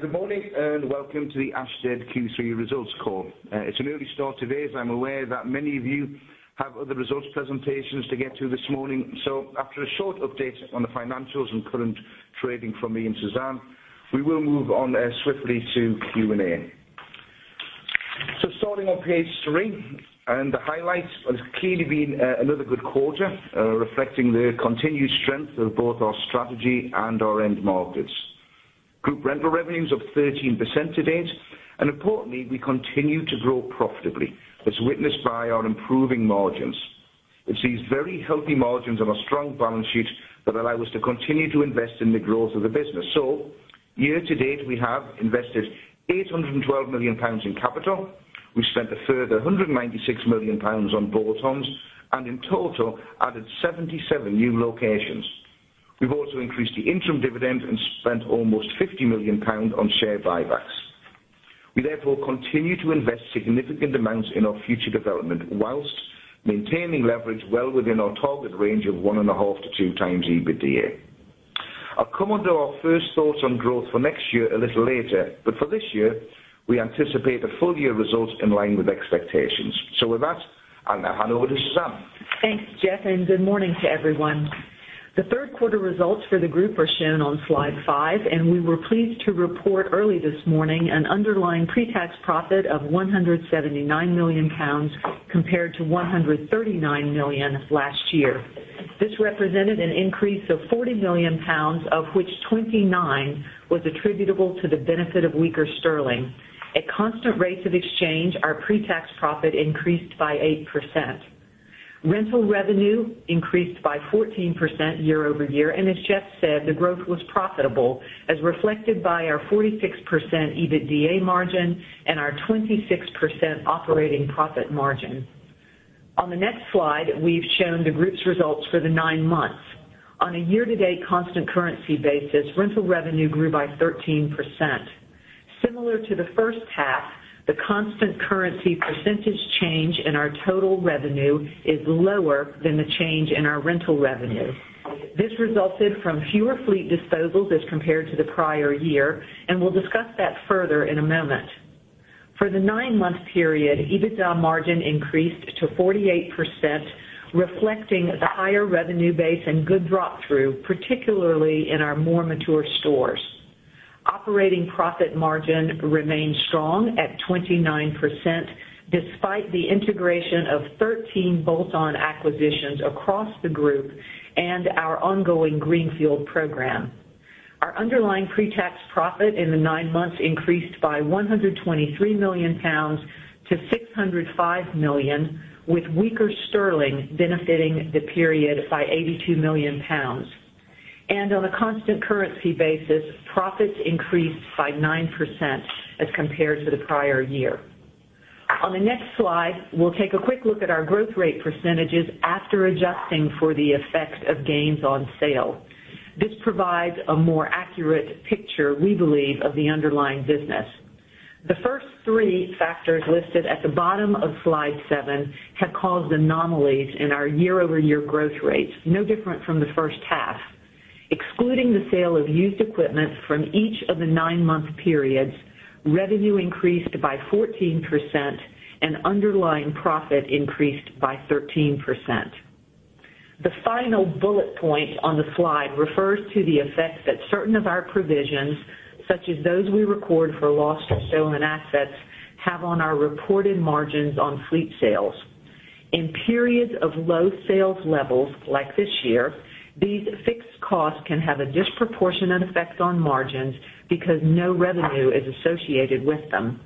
Good morning, and welcome to the Ashtead Q3 results call. It's an early start today, as I'm aware that many of you have other results presentations to get to this morning. After a short update on the financials and current trading from me and Suzanne, we will move on swiftly to Q&A. Starting on page three and the highlights, it has clearly been another good quarter, reflecting the continued strength of both our strategy and our end markets. Group rental revenues up 13% to date, importantly, we continue to grow profitably as witnessed by our improving margins. It's these very healthy margins and our strong balance sheet that allow us to continue to invest in the growth of the business. Year-to-date, we have invested 812 million pounds in capital. We've spent a further 196 million pounds on bolt-ons, in total, added 77 new locations. We've also increased the interim dividend and spent almost 50 million pounds on share buybacks. We, therefore, continue to invest significant amounts in our future development whilst maintaining leverage well within our target range of one and a half to two times EBITDA. I'll come on to our first thoughts on growth for next year a little later, for this year, we anticipate the full-year results in line with expectations. With that, I'll now hand over to Suzanne. Thanks, Geoff, good morning to everyone. The third quarter results for the group are shown on slide five, we were pleased to report early this morning an underlying pre-tax profit of 179 million pounds compared to 139 million last year. This represented an increase of 40 million pounds, of which 29 was attributable to the benefit of weaker sterling. At constant rates of exchange, our pre-tax profit increased by 8%. Rental revenue increased by 14% year-over-year, as Geoff said, the growth was profitable, as reflected by our 46% EBITDA margin and our 26% operating profit margin. On the next slide, we've shown the group's results for the nine months. On a year-to-date constant currency basis, rental revenue grew by 13%. Similar to the first half, the constant currency percentage change in our total revenue is lower than the change in our rental revenue. This resulted from fewer fleet disposals as compared to the prior year, we'll discuss that further in a moment. For the nine-month period, EBITDA margin increased to 48%, reflecting the higher revenue base and good drop-through, particularly in our more mature stores. Operating profit margin remained strong at 29%, despite the integration of 13 bolt-on acquisitions across the group and our ongoing Greenfield program. Our underlying pre-tax profit in the nine months increased by 123 million pounds to 605 million, with weaker sterling benefiting the period by 82 million pounds. On a constant currency basis, profits increased by 9% as compared to the prior year. On the next slide, we'll take a quick look at our growth rate percentages after adjusting for the effect of gains on sale. This provides a more accurate picture, we believe, of the underlying business. The first three factors listed at the bottom of slide seven have caused anomalies in our year-over-year growth rates, no different from the first half. Excluding the sale of used equipment from each of the nine-month periods, revenue increased by 14% and underlying profit increased by 13%. The final bullet point on the slide refers to the effect that certain of our provisions, such as those we record for lost or stolen assets, have on our reported margins on fleet sales. In periods of low sales levels like this year, these fixed costs can have a disproportionate effect on margins because no revenue is associated with them.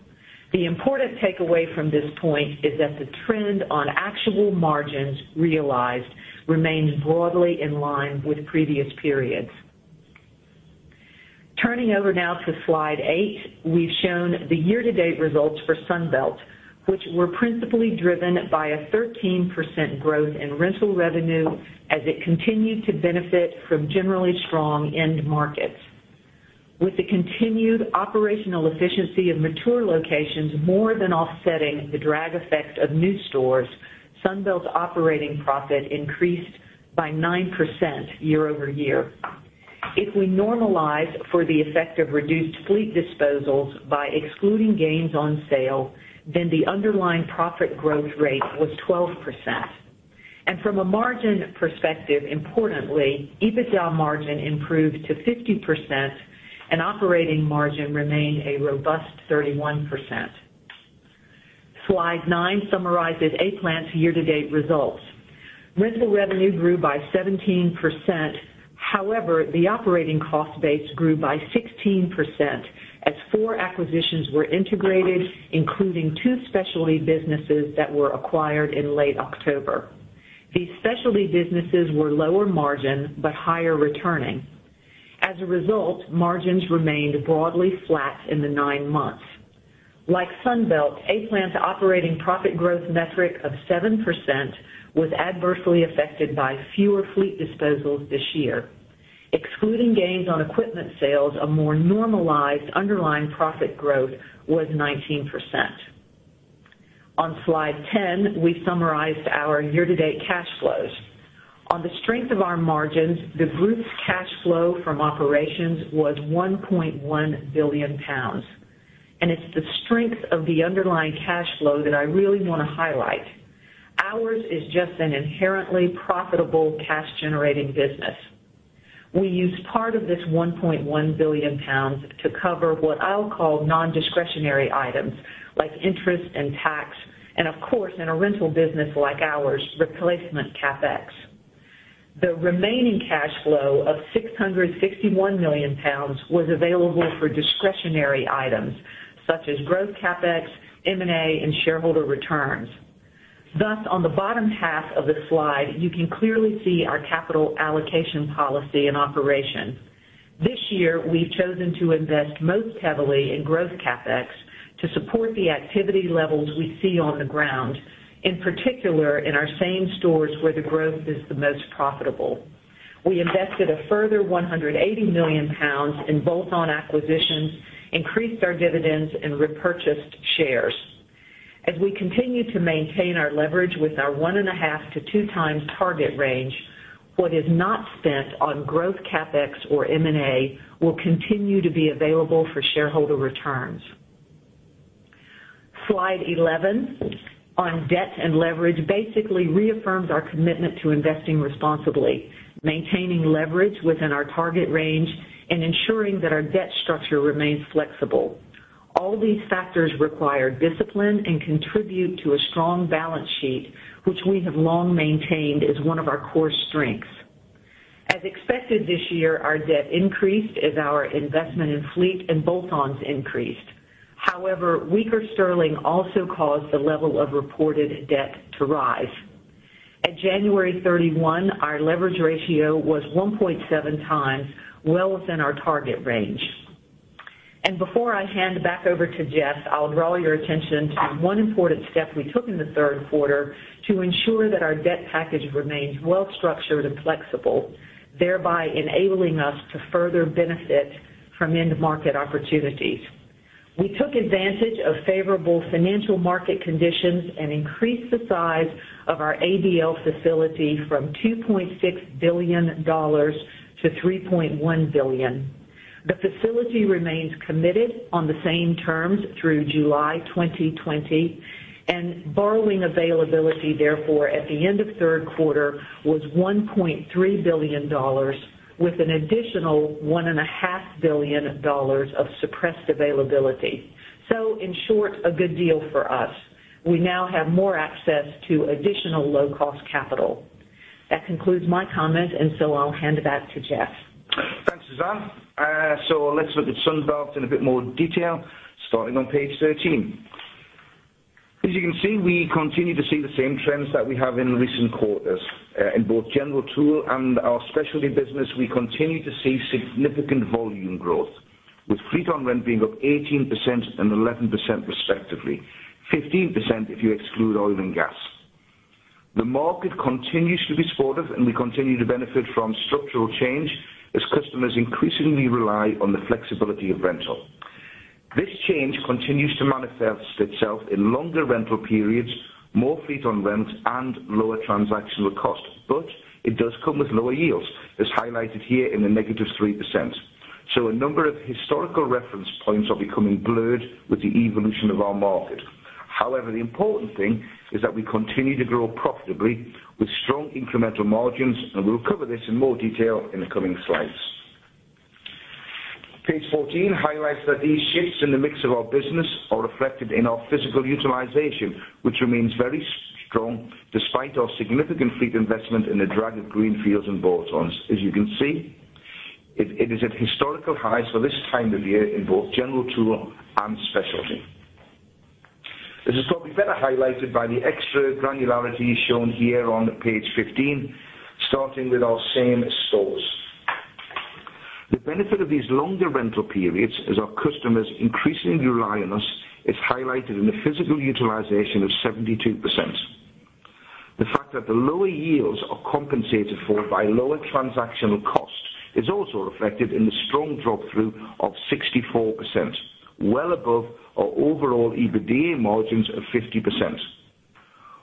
The important takeaway from this point is that the trend on actual margins realized remains broadly in line with previous periods. Turning over now to slide eight, we've shown the year-to-date results for Sunbelt, which were principally driven by a 13% growth in rental revenue as it continued to benefit from generally strong end markets. With the continued operational efficiency of mature locations more than offsetting the drag effect of new stores, Sunbelt's operating profit increased by 9% year-over-year. From a margin perspective, importantly, EBITDA margin improved to 50% and operating margin remained a robust 31%. Slide nine summarizes A-Plant's year-to-date results. Rental revenue grew by 17%. However, the operating cost base grew by 16% as four acquisitions were integrated, including two specialty businesses that were acquired in late October. These specialty businesses were lower margin but higher returning. As a result, margins remained broadly flat in the nine months. Like Sunbelt, A-Plant's operating profit growth metric of 7% was adversely affected by fewer fleet disposals this year. Excluding gains on equipment sales, a more normalized underlying profit growth was 19%. On slide 10, we summarized our year-to-date cash flows. On the strength of our margins, the group's cash flow from operations was 1.1 billion pounds. It's the strength of the underlying cash flow that I really want to highlight. Ours is just an inherently profitable cash generating business. We used part of this 1.1 billion pounds to cover what I'll call non-discretionary items, like interest and tax, and of course, in a rental business like ours, replacement CapEx. The remaining cash flow of 661 million pounds was available for discretionary items, such as growth CapEx, M&A, and shareholder returns. Thus, on the bottom half of the slide, you can clearly see our capital allocation policy in operation. This year, we've chosen to invest most heavily in growth CapEx to support the activity levels we see on the ground, in particular in our same stores where the growth is the most profitable. We invested a further 180 million pounds in bolt-on acquisitions, increased our dividends, and repurchased shares. As we continue to maintain our leverage with our 1.5 to two times target range, what is not spent on growth CapEx or M&A will continue to be available for shareholder returns. Slide 11 on debt and leverage basically reaffirms our commitment to investing responsibly, maintaining leverage within our target range, and ensuring that our debt structure remains flexible. All these factors require discipline and contribute to a strong balance sheet, which we have long maintained as one of our core strengths. As expected this year, our debt increased as our investment in fleet and bolt-ons increased. Weaker sterling also caused the level of reported debt to rise. At January 31, our leverage ratio was 1.7 times, well within our target range. Before I hand back over to Geoff, I'll draw your attention to one important step we took in the third quarter to ensure that our debt package remains well structured and flexible, thereby enabling us to further benefit from end market opportunities. We took advantage of favorable financial market conditions and increased the size of our ABL facility from $2.6 billion to $3.1 billion. The facility remains committed on the same terms through July 2020, and borrowing availability, therefore, at the end of third quarter was $1.3 billion, with an additional $1.5 billion of suppressed availability. In short, a good deal for us. We now have more access to additional low-cost capital. That concludes my comments, and so I'll hand it back to Geoff. Thanks, Suzanne. Let's look at Sunbelt in a bit more detail, starting on page 13. As you can see, we continue to see the same trends that we have in recent quarters. In both general tool and our specialty business, we continue to see significant volume growth, with fleet on rent being up 18% and 11% respectively, 15% if you exclude oil and gas. The market continues to be supportive, and we continue to benefit from structural change as customers increasingly rely on the flexibility of rental. This change continues to manifest itself in longer rental periods, more fleet on rents, and lower transactional cost, but it does come with lower yields, as highlighted here in the -3%. A number of historical reference points are becoming blurred with the evolution of our market. The important thing is that we continue to grow profitably with strong incremental margins, and we'll cover this in more detail in the coming slides. Page 14 highlights that these shifts in the mix of our business are reflected in our physical utilization, which remains very strong despite our significant fleet investment in the drag of greenfields and bolt-ons. As you can see, it is at historical highs for this time of year in both general tool and specialty. This is probably better highlighted by the extra granularity shown here on page 15, starting with our same stores. The benefit of these longer rental periods as our customers increasingly rely on us is highlighted in the physical utilization of 72%. The fact that the lower yields are compensated for by lower transactional cost is also reflected in the strong drop-through of 64%, well above our overall EBITDA margins of 50%.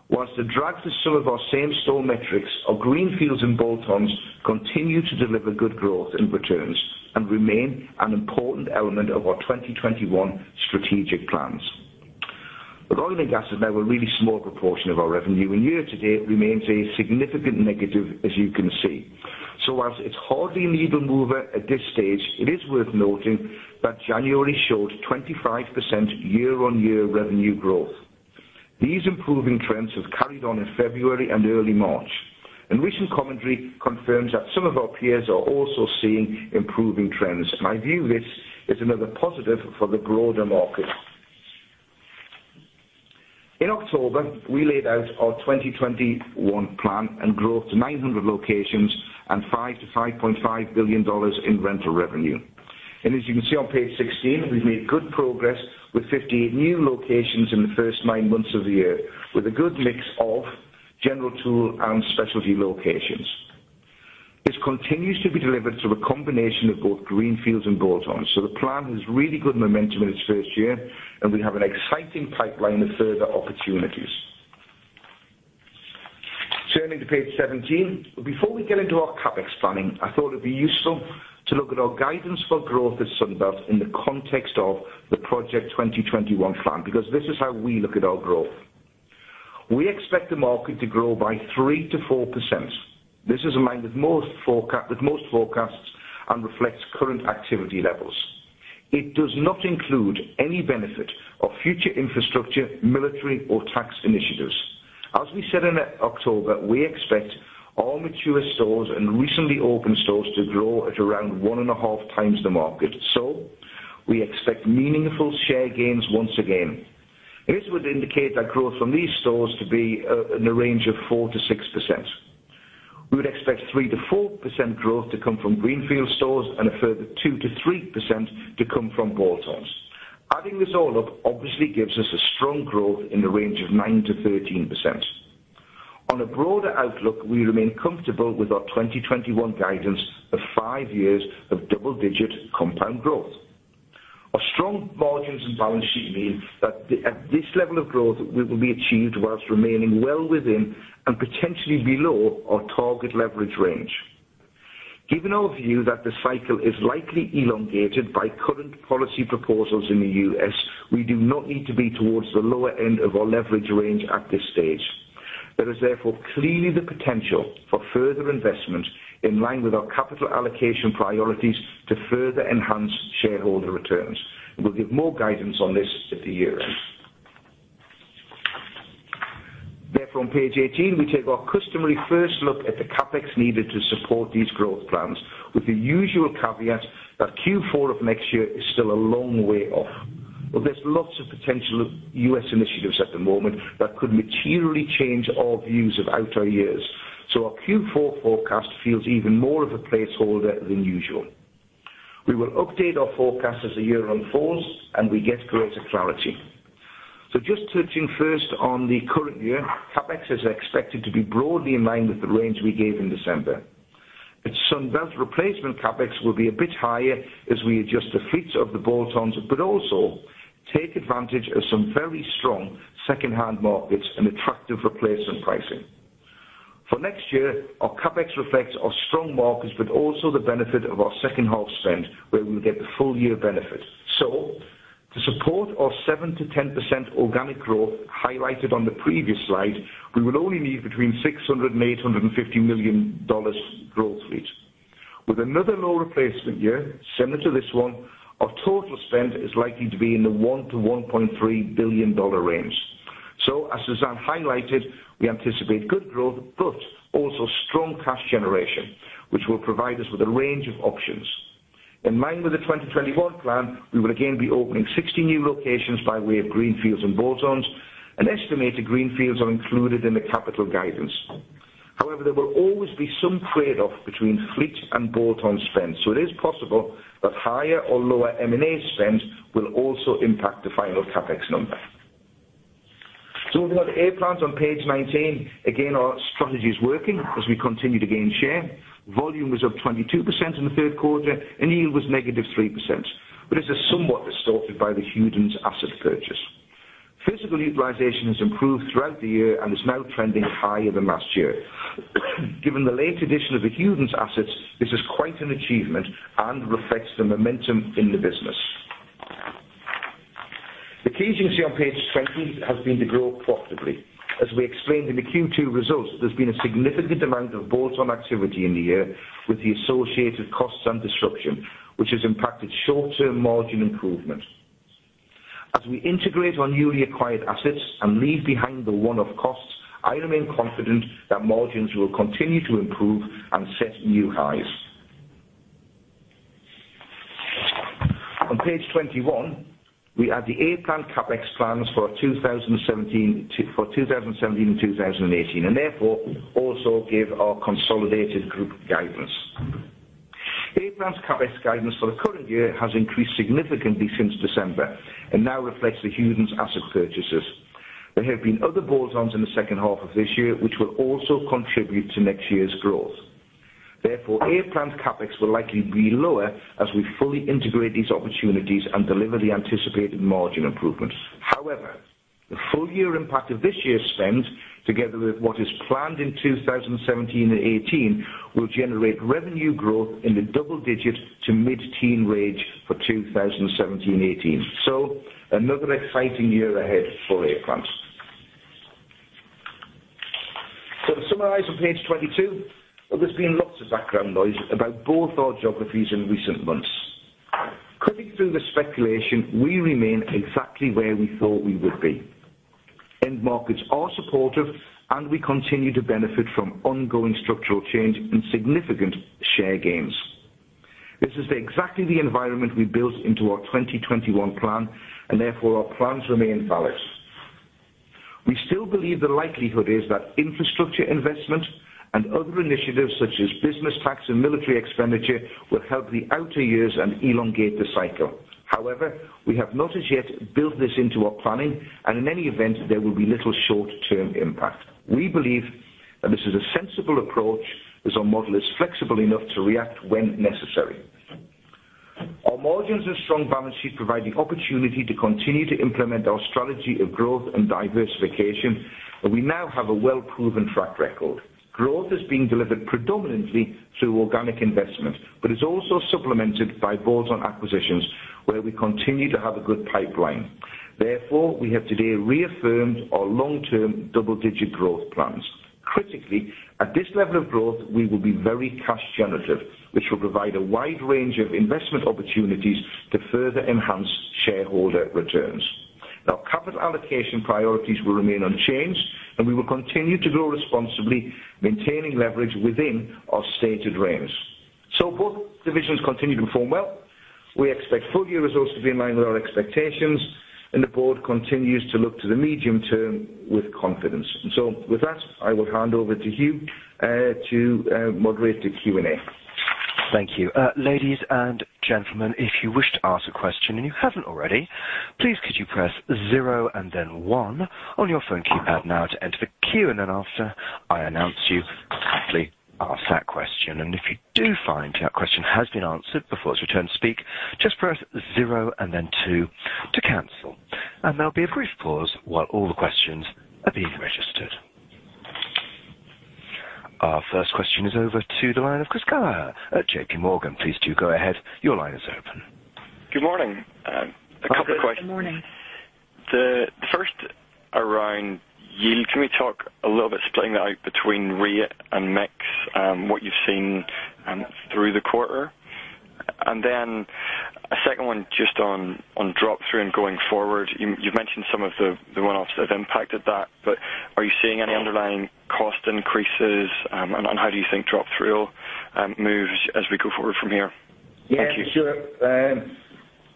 Whilst the drags of some of our same store metrics, our greenfields and bolt-ons continue to deliver good growth and returns and remain an important element of our 2021 strategic plans. Oil and gas is now a really small proportion of our revenue, and year-to-date remains a significant negative, as you can see. Whilst it's hardly a needle mover at this stage, it is worth noting that January showed 25% year-on-year revenue growth. These improving trends have carried on in February and early March, and recent commentary confirms that some of our peers are also seeing improving trends. I view this as another positive for the broader market. In October, we laid out our 2021 plan and growth to 900 locations and $5 billion to $5.5 billion in rental revenue. As you can see on page 16, we've made good progress with 58 new locations in the first nine months of the year, with a good mix of general tool and specialty locations. This continues to be delivered through a combination of both greenfields and bolt-ons. The plan has really good momentum in its first year, and we have an exciting pipeline of further opportunities. Turning to page 17. Before we get into our CapEx planning, I thought it'd be useful to look at our guidance for growth at Sunbelt in the context of the Project 2021 plan, because this is how we look at our growth. We expect the market to grow by 3% to 4%. This is in line with most forecasts and reflects current activity levels. It does not include any benefit of future infrastructure, military, or tax initiatives. As we said in October, we expect our mature stores and recently opened stores to grow at around one and a half times the market. We expect meaningful share gains once again. This would indicate that growth from these stores to be in the range of 4%-6%. We would expect 3%-4% growth to come from greenfield stores and a further 2%-3% to come from bolt-ons. Adding this all up obviously gives us a strong growth in the range of 9%-13%. On a broader outlook, we remain comfortable with our 2021 guidance of five years of double-digit compound growth. Our strong margins and balance sheet mean that at this level of growth will be achieved whilst remaining well within and potentially below our target leverage range. Given our view that the cycle is likely elongated by current policy proposals in the U.S., we do not need to be towards the lower end of our leverage range at this stage. There is therefore clearly the potential for further investment in line with our capital allocation priorities to further enhance shareholder returns. We'll give more guidance on this at the year-end. Therefore, on page 18, we take our customary first look at the CapEx needed to support these growth plans with the usual caveat that Q4 of next year is still a long way off. There's lots of potential U.S. initiatives at the moment that could materially change our views of outer years. Our Q4 forecast feels even more of a placeholder than usual. We will update our forecast as the year unfolds, and we get greater clarity. Just touching first on the current year, CapEx is expected to be broadly in line with the range we gave in December. At Sunbelt, replacement CapEx will be a bit higher as we adjust the fleets of the bolt-ons, but also take advantage of some very strong secondhand markets and attractive replacement pricing. For next year, our CapEx reflects our strong markets, but also the benefit of our second half spend where we will get the full year benefit. To support our 7%-10% organic growth highlighted on the previous slide, we will only need between 600 million and GBP 850 million growth fleet. With another low replacement year similar to this one, our total spend is likely to be in the $1 billion-$1.3 billion range. As Suzanne highlighted, we anticipate good growth, but also strong cash generation, which will provide us with a range of options. In line with the 2021 plan, we will again be opening 60 new locations by way of greenfields and bolt-ons, an estimated greenfields are included in the capital guidance. However, there will always be some trade-off between fleet and bolt-on spend, so it is possible that higher or lower M&A spend will also impact the final CapEx number. We got A-Plant on page 19. Again, our strategy is working as we continue to gain share. Volume was up 22% in the third quarter, and yield was negative 3%, but it's somewhat distorted by the Hagan's asset purchase. Physical utilization has improved throughout the year and is now trending higher than last year. Given the late addition of the Hagens assets, this is quite an achievement and reflects the momentum in the business. The key agency on page 20 has been to grow profitably. As we explained in the Q2 results, there's been a significant amount of bolt-on activity in the year with the associated costs and disruption, which has impacted short-term margin improvement. As we integrate our newly acquired assets and leave behind the one-off costs, I remain confident that margins will continue to improve and set new highs. On page 21, we add the A-Plant CapEx plans for 2017 to 2018, and therefore also give our consolidated group guidance. A-Plant's CapEx guidance for the current year has increased significantly since December and now reflects the Hagens asset purchases. There have been other bolt-ons in the second half of this year, which will also contribute to next year's growth. Therefore, A-Plant's CapEx will likely be lower as we fully integrate these opportunities and deliver the anticipated margin improvements. However, the full year impact of this year's spend together with what is planned in 2017 and 2018 will generate revenue growth in the double digit to mid-teen range for 2017-2018. Another exciting year ahead for A-Plant. To summarize on page 22, there's been lots of background noise about both our geographies in recent months. Cutting through the speculation, we remain exactly where we thought we would be. End markets are supportive, and we continue to benefit from ongoing structural change and significant share gains. This is exactly the environment we built into our 2021 plan, and therefore our plans remain valid. We still believe the likelihood is that infrastructure investment and other initiatives such as business tax and military expenditure will help the outer years and elongate the cycle. We have not as yet built this into our planning, and in any event, there will be little short-term impact. We believe that this is a sensible approach as our model is flexible enough to react when necessary. Our margins and strong balance sheet provide the opportunity to continue to implement our strategy of growth and diversification, and we now have a well-proven track record. Growth is being delivered predominantly through organic investment, but is also supplemented by bolt-on acquisitions where we continue to have a good pipeline. We have today reaffirmed our long-term double-digit growth plans. At this level of growth, we will be very cash generative, which will provide a wide range of investment opportunities to further enhance shareholder returns. Capital allocation priorities will remain unchanged, and we will continue to grow responsibly, maintaining leverage within our stated range. Both divisions continue to perform well. We expect full year results to be in line with our expectations, and the board continues to look to the medium term with confidence. With that, I will hand over to Hugh to moderate the Q&A. Thank you. Ladies and gentlemen, if you wish to ask a question and you haven't already, please could you press 0 and then 1 on your phone keypad now to enter the queue, and then after I announce you, kindly ask that question. If you do find that question has been answered before it's your turn to speak, just press 0 and then 2 to cancel. There will be a brief pause while all the questions are being registered. Our first question is over to the line of Christopher Carr at JPMorgan. Please do go ahead. Your line is open. Good morning. A couple questions. Good morning. The first around yield. Can we talk a little bit, splitting that out between rate and mix, what you've seen through the quarter? Then a second one just on drop-through and going forward. You've mentioned some of the one-offs that have impacted that, but are you seeing any underlying cost increases? How do you think drop-through moves as we go forward from here? Thank you. Yeah, sure.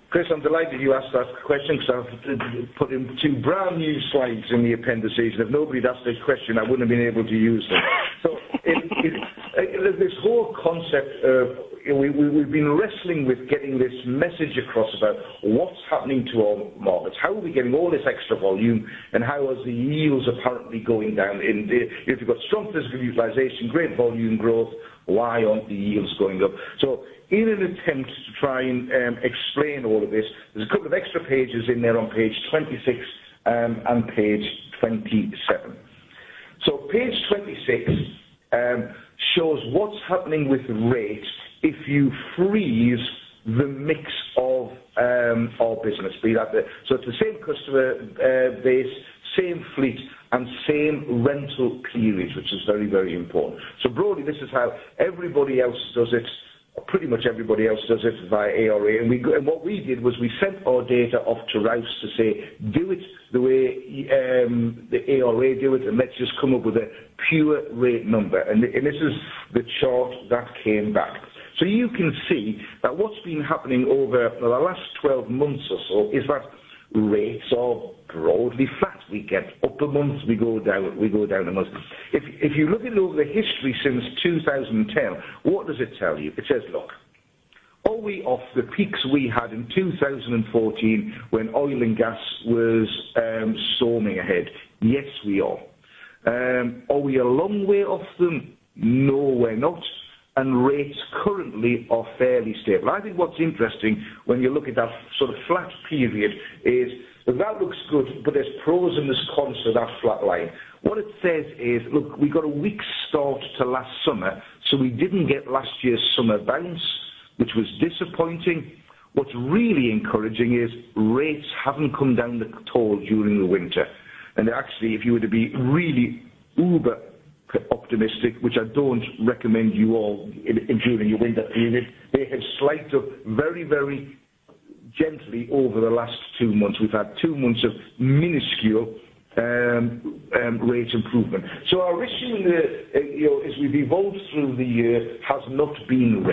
Chris, I'm delighted you asked that question because I've put in two brand new slides in the appendices, if nobody had asked this question, I wouldn't have been able to use them. This whole concept of We've been wrestling with getting this message across about what's happening to our markets, how are we getting all this extra volume, how is the yields apparently going down? If you got strong physical utilization, great volume growth, why aren't the yields going up? In an attempt to try and explain all of this, there's a couple of extra pages in there on page 26 and page 27. Page 26 shows what's happening with rates if you freeze the mix of our business. It's the same customer base, same fleet, and same rental periods, which is very, very important. Broadly, this is how everybody else does it, pretty much everybody else does it via ARA. What we did was we sent our data off to Rouse Services to say, "Do it the way the ARA do it, let's just come up with a pure rate number." This is the chart that came back. You can see that what's been happening over the last 12 months or so is that rates are broadly flat. We get up a month, we go down a month. If you look at over the history since 2010, what does it tell you? It says, look, are we off the peaks we had in 2014 when oil and gas was storming ahead? Yes, we are. Are we a long way off them? No, we're not. Rates currently are fairly stable. I think what's interesting when you look at that sort of flat period is that that looks good, but there's pros and there's cons to that flat line. What it says is, look, we got a weak start to last summer, we didn't get last year's summer bounce, which was disappointing. What's really encouraging is rates haven't come down at all during the winter. Actually, if you were to be really uber optimistic, which I don't recommend you all during your winter period, they have slid up very, very gently over the last two months. We've had two months of minuscule rate improvement. Our issue as we've evolved through the year has not been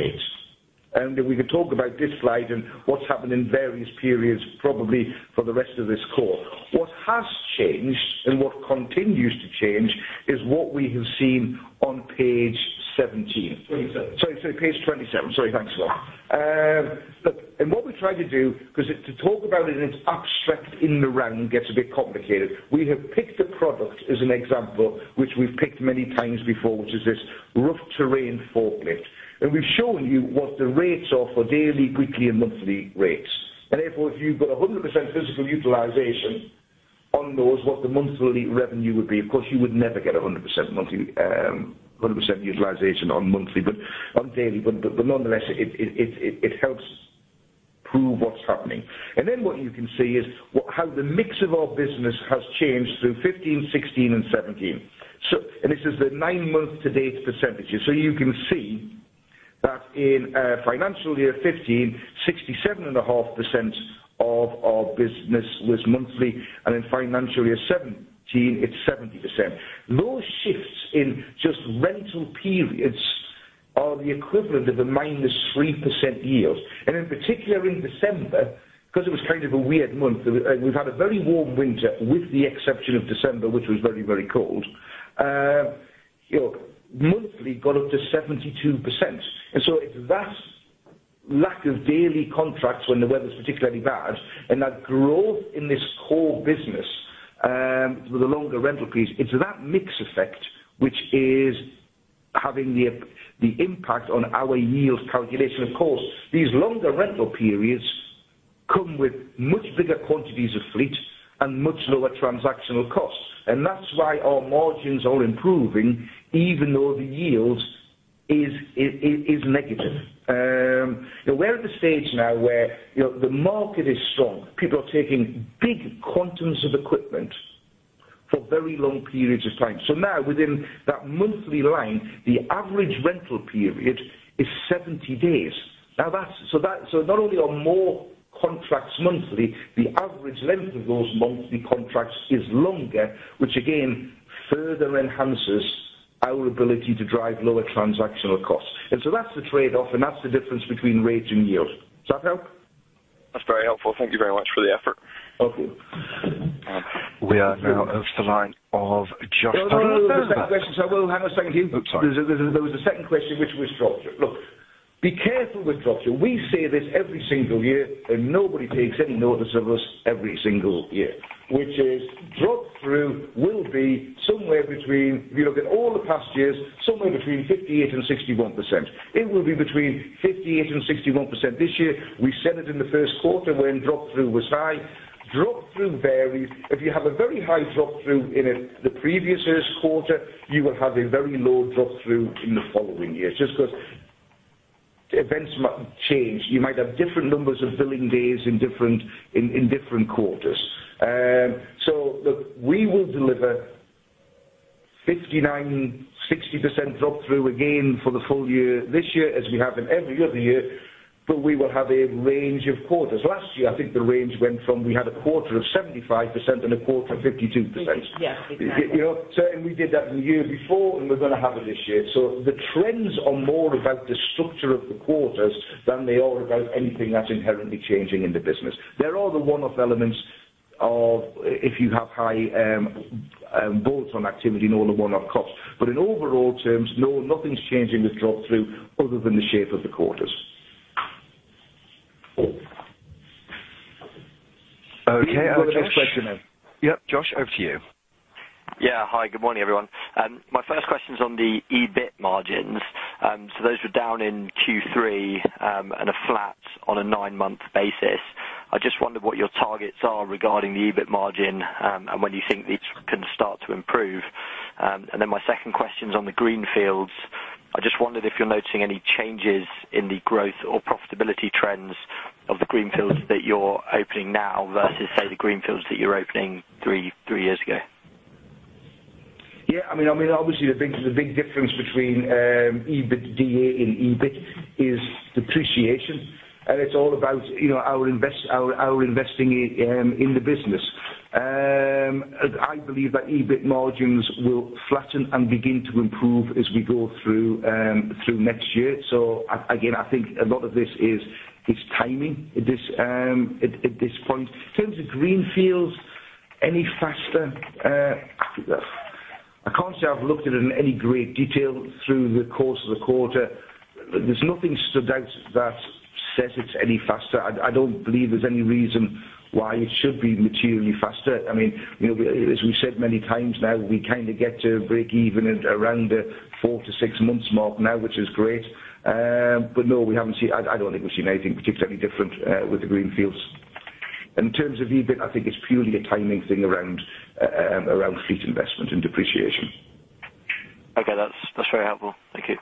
rates. We could talk about this slide and what's happened in various periods probably for the rest of this call. What has changed and what continues to change is what we have seen on page 17. 27. Sorry, page 27. Sorry. Thanks a lot. Look, what we tried to do, because to talk about it in its abstract in the round gets a bit complicated. We have picked a product as an example, which we've picked many times before, which is this Rough-terrain forklift. We've shown you what the rates are for daily, weekly, and monthly rates. Therefore, if you've got 100% physical utilization on those what the monthly revenue would be. Of course, you would never get 100% utilization on daily, but nonetheless, it helps prove what's happening. Then what you can see is how the mix of our business has changed through 2015, 2016, and 2017. This is the nine-month to date percentages. You can see that in financial year 2015, 67.5% of our business was monthly, and in financial year 2017, it's 70%. Those shifts in just rental periods are the equivalent of a minus 3% yield. In particular in December, because it was kind of a weird month. We've had a very warm winter with the exception of December, which was very, very cold. Monthly got up to 72%. It's that lack of daily contracts when the weather's particularly bad, and that growth in this core business with the longer rental periods, it's that mix effect which is having the impact on our yield calculation. Of course, these longer rental periods come with much bigger quantities of fleet and much lower transactional costs. That's why our margins are improving even though the yield is negative. We're at the stage now where the market is strong. People are taking big quantums of equipment for very long periods of time. now within that monthly line, the average rental period is 70 days. Not only are more contracts monthly, the average length of those monthly contracts is longer, which again, further enhances our ability to drive lower transactional costs. That's the trade-off, and that's the difference between rates and yields. Does that help? That's very helpful. Thank you very much for the effort. Okay. We are now to the line of Josh. No, hang on a second. Oops, sorry. There was a second question, which was drop-through. Look, be careful with drop-through. We say this every single year, and nobody takes any notice of us every single year, which is, drop-through will be somewhere between, if you look at all the past years, somewhere between 58% and 61%. It will be between 58% and 61% this year. We said it in the first quarter when drop-through was high. Drop-through varies. If you have a very high drop-through in the previous year's quarter, you will have a very low drop-through in the following year, just because events change. You might have different numbers of billing days in different quarters. Look, we will deliver 59%, 60% drop-through again for the full year this year, as we have in every other year, but we will have a range of quarters. Last year, I think the range went from we had a quarter of 75% and a quarter of 52%. 52, yes, exactly. We did that the year before, and we're going to have it this year. The trends are more about the structure of the quarters than they are about anything that's inherently changing in the business. There are the one-off elements of if you have high bolt-on activity and all the one-off costs. In overall terms, no, nothing's changing with drop-through other than the shape of the quarters. Okay. You can go to the next question then. Yep. Josh, over to you. Yeah. Hi, good morning, everyone. My first question's on the EBIT margins. Those were down in Q3, and are flat on a nine-month basis. I just wondered what your targets are regarding the EBIT margin, and when you think it can start to improve. My second question's on the Greenfields. I just wondered if you're noticing any changes in the growth or profitability trends of the Greenfields that you're opening now versus, say, the Greenfields that you were opening three years ago. Yeah. Obviously, the big difference between EBITDA and EBIT is depreciation, and it's all about our investing in the business. I believe that EBIT margins will flatten and begin to improve as we go through next year. Again, I think a lot of this is timing at this point. In terms of greenfields, any faster. I can't say I've looked at it in any great detail through the course of the quarter. There's nothing stood out that says it's any faster. I don't believe there's any reason why it should be materially faster. As we've said many times now, we kind of get to breakeven at around the four to six months mark now, which is great. No, I don't think we've seen anything particularly different with the greenfields. In terms of EBIT, I think it's purely a timing thing around fleet investment and depreciation. Okay. That's very helpful. Thank you.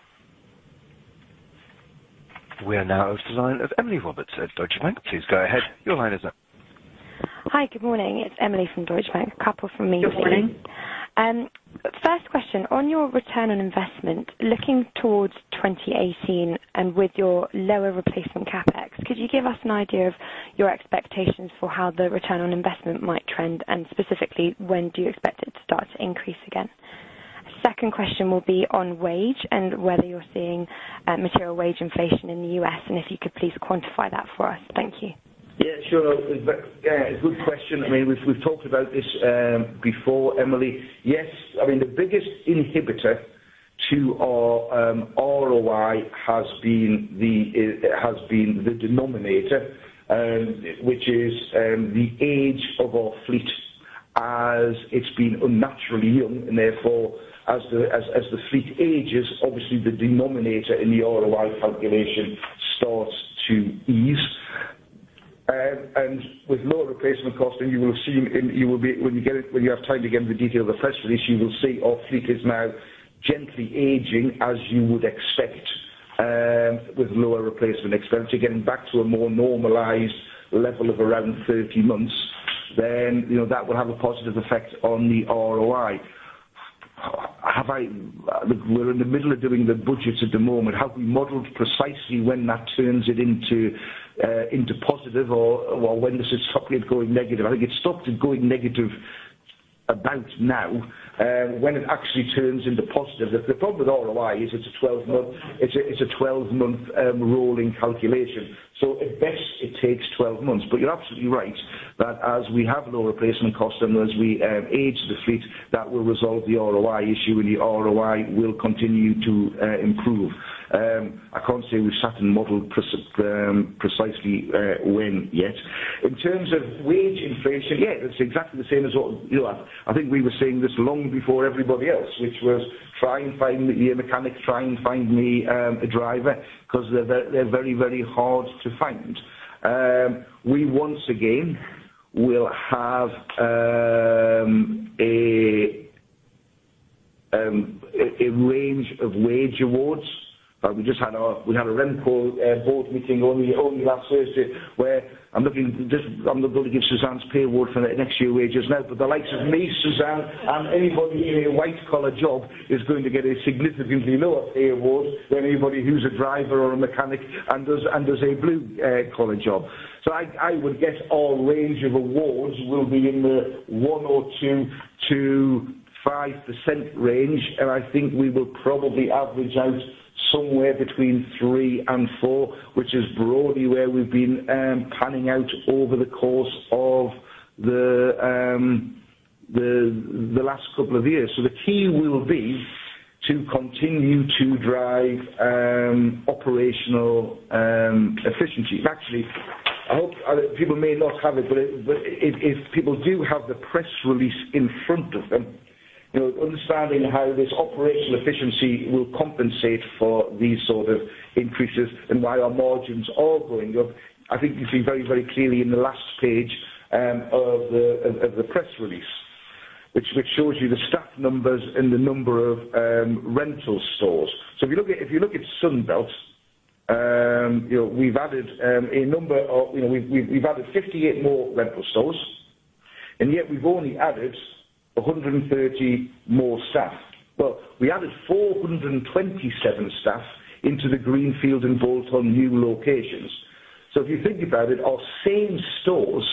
We are now to the line of Emily Roberts at Deutsche Bank. Please go ahead. Your line is up. Hi. Good morning. It's Emily from Deutsche Bank, a couple from me to you. Good morning. First question, on your return on investment, looking towards 2018 and with your lower replacement CapEx, could you give us an idea of your expectations for how the return on investment might trend? Specifically, when do you expect it to start to increase again? Second question will be on wage and whether you're seeing material wage inflation in the U.S., and if you could please quantify that for us. Thank you. Yeah, sure. Good question. We've talked about this before, Emily. Yes. The biggest inhibitor to our ROI has been the denominator, which is the age of our fleet as it's been unnaturally young. Therefore, as the fleet ages, obviously the denominator in the ROI calculation starts to ease. With lower replacement costing, when you have time to get into the detail of the press release, you will see our fleet is now gently aging as you would expect with lower replacement expense. You're getting back to a more normalized level of around 30 months. That will have a positive effect on the ROI. Look, we're in the middle of doing the budgets at the moment. Haven't modeled precisely when that turns it into positive or when this is suddenly going negative. I think it stopped it going negative About now, when it actually turns into positive. The problem with ROI is it's a 12-month rolling calculation. At best, it takes 12 months. You're absolutely right. That as we have low replacement costs and as we age the fleet, that will resolve the ROI issue, and the ROI will continue to improve. I can't say we've sat and modeled precisely when yet. In terms of wage inflation, yeah, that's exactly the same as what I think we were saying this long before everybody else, which was try and find me a mechanic, try and find me a driver, because they're very, very hard to find. We once again will have a range of wage awards. We had a board meeting only last Thursday where I'm not going to give Suzanne's pay award for the next year wages now, but the likes of me, Suzanne, and anybody in a white-collar job is going to get a significantly lower pay award than anybody who's a driver or a mechanic and does a blue-collar job. I would guess our range of awards will be in the 1%-2% to 5% range, and I think we will probably average out somewhere between 3% and 4%, which is broadly where we've been planning out over the course of the last couple of years. The key will be to continue to drive operational efficiency. Actually, I hope people may not have it, but if people do have the press release in front of them, understanding how this operational efficiency will compensate for these sort of increases and why our margins are going up. I think you see very, very clearly in the last page of the press release, which shows you the staff numbers and the number of rental stores. If you look at Sunbelt, we've added 58 more rental stores, and yet we've only added 130 more staff. Well, we added 427 staff into the Greenfield and bolt-on new locations. If you think about it, our same stores,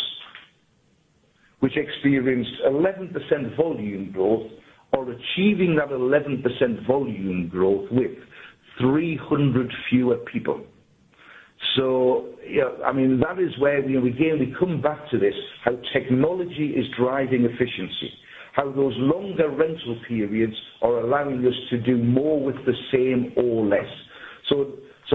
which experienced 11% volume growth, are achieving that 11% volume growth with 300 fewer people. That is where we again come back to this, how technology is driving efficiency, how those longer rental periods are allowing us to do more with the same or less.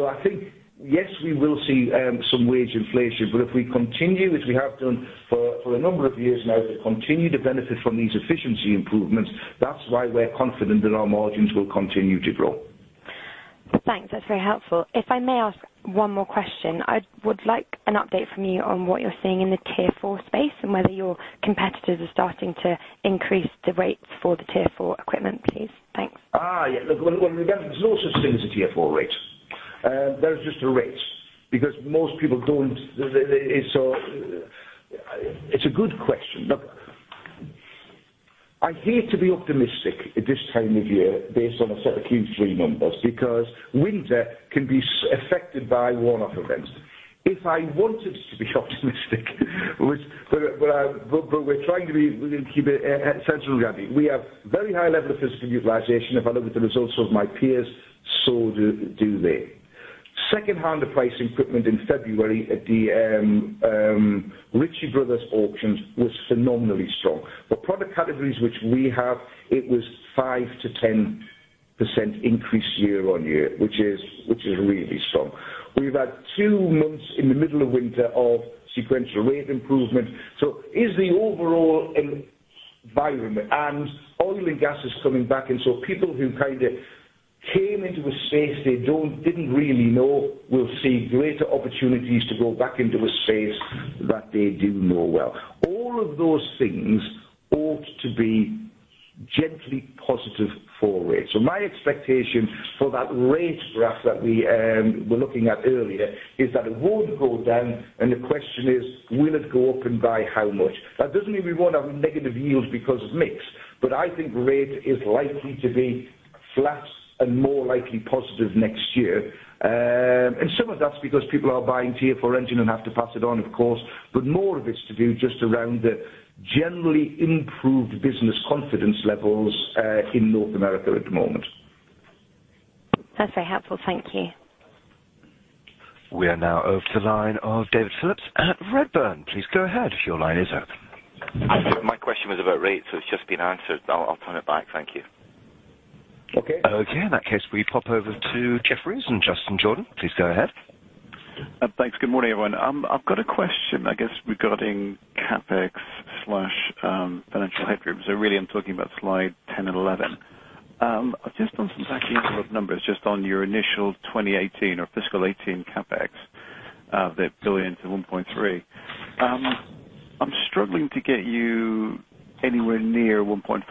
I think, yes, we will see some wage inflation, but if we continue, as we have done for a number of years now, to continue to benefit from these efficiency improvements, that's why we're confident that our margins will continue to grow. Thanks. That's very helpful. If I may ask one more question. I would like an update from you on what you're seeing in the Tier 4 space and whether your competitors are starting to increase the rates for the Tier 4 equipment, please. Thanks. Yeah. Look, there's no such thing as a Tier 4 rate. There is just a rate because most people don't. It's a good question. Look, I hate to be optimistic at this time of year based on a set of Q3 numbers because winter can be affected by one-off events. If I wanted to be optimistic, but we're trying to be within central reality. We have very high level of physical utilization. If I look at the results of my peers, so do they. Secondhand pricing equipment in February at the Ritchie Bros. auctions was phenomenally strong. For product categories which we have, it was 5%-10% increase year-on-year, which is really strong. We've had two months in the middle of winter of sequential rate improvement. Is the overall environment, and oil and gas is coming back, and so people who kind of came into a space they didn't really know will see greater opportunities to go back into a space that they do know well. All of those things ought to be gently positive for rate. My expectation for that rate graph that we were looking at earlier is that it won't go down, and the question is, will it go up and by how much? That doesn't mean we won't have negative yields because of mix, but I think rate is likely to be flat and more likely positive next year. Some of that's because people are buying Tier 4 engine and have to pass it on, of course, but more of it's to do just around the generally improved business confidence levels in North America at the moment. That's very helpful. Thank you. We are now over to the line of David Phillips at Redburn. Please go ahead. Your line is open. My question was about rates, so it's just been answered. I'll turn it back. Thank you. Okay. Okay. In that case, we pop over to Jefferies and Justin Jordan. Please go ahead. Thanks. Good morning, everyone. I've got a question, I guess regarding CapEx/financial headroom. Really I'm talking about slide 10 and 11. I've just done some back-end numbers just on your initial 2018 or fiscal 2018 CapEx of $1 billion-$1.3 billion. I'm struggling to get you anywhere near 1.5-2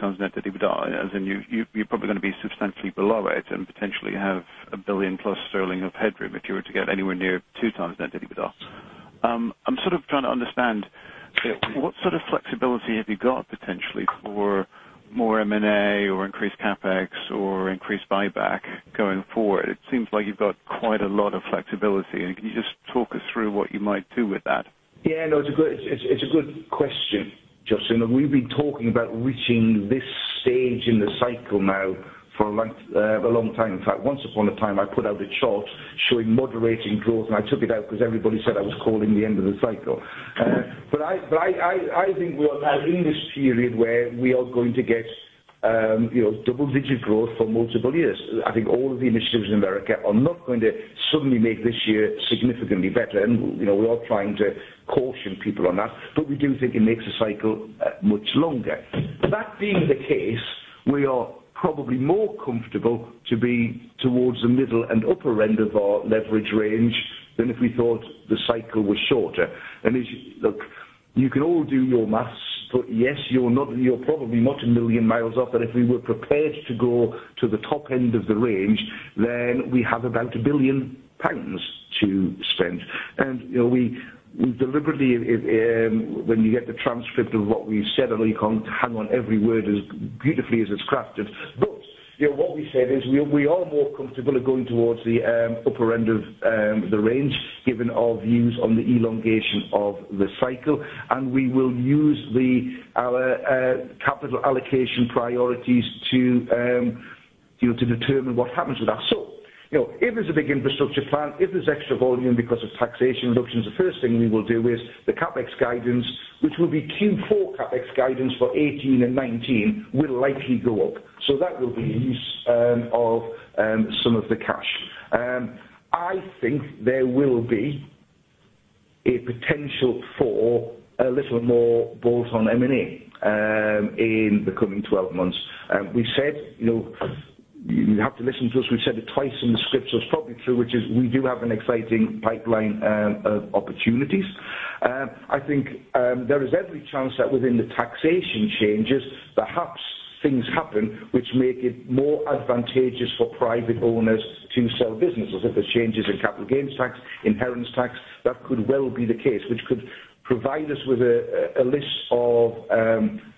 times net debt to EBITDA, as in you're probably going to be substantially below it and potentially have 1 billion plus sterling of headroom if you were to get anywhere near 2 times net debt to EBITDA. I'm sort of trying to understand what sort of flexibility have you got potentially for More M&A or increased CapEx or increased buyback going forward. It seems like you've got quite a lot of flexibility. Can you just talk us through what you might do with that? Yeah, no, it's a good question, Justin. We've been talking about reaching this stage in the cycle now for a long time. In fact, once upon a time, I put out a chart showing moderating growth, and I took it out because everybody said I was calling the end of the cycle. I think we are in this period where we are going to get double-digit growth for multiple years. I think all of the initiatives in America are not going to suddenly make this year significantly better. We are trying to caution people on that, but we do think it makes the cycle much longer. That being the case, we are probably more comfortable to be towards the middle and upper end of our leverage range than if we thought the cycle was shorter. Look, you can all do your math, yes, you're probably not a million miles off that if we were prepared to go to the top end of the range, we have about 1 billion pounds to spend. We deliberately, when you get the transcript of what we've said, I know you can't hang on every word as beautifully as it's crafted. What we said is we are more comfortable at going towards the upper end of the range, given our views on the elongation of the cycle, and we will use our capital allocation priorities to determine what happens with that. If there's a big infrastructure plan, if there's extra volume because of taxation reductions, the first thing we will do is the CapEx guidance, which will be Q4 CapEx guidance for 2018 and 2019, will likely go up. That will be the use of some of the cash. I think there will be a potential for a little more bolt-on M&A in the coming 12 months. You have to listen to us. We've said it twice in the script, it's probably true, which is we do have an exciting pipeline of opportunities. I think there is every chance that within the taxation changes, perhaps things happen which make it more advantageous for private owners to sell businesses. If there's changes in capital gains tax, inheritance tax, that could well be the case, which could provide us with a list of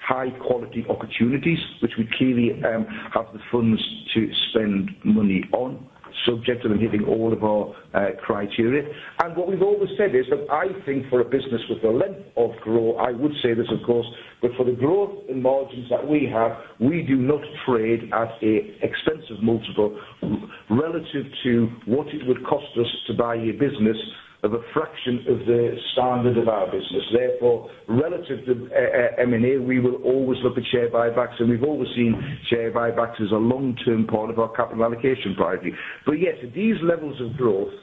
high-quality opportunities, which we clearly have the funds to spend money on, subject to them hitting all of our criteria. What we've always said is that I think for a business with the length of growth, I would say this, of course, for the growth in margins that we have, we do not trade at an expensive multiple relative to what it would cost us to buy a business of a fraction of the standard of our business. Therefore, relative to M&A, we will always look at share buybacks, we've always seen share buybacks as a long-term part of our capital allocation priority. Yes, at these levels of growth,